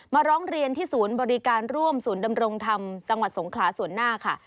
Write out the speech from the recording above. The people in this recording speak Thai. ร้องเรียนที่ศูนย์บริการร่วมศูนย์ดำรงธรรมจังหวัดสงขลาส่วนหน้าค่ะ